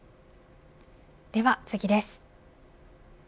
では次です。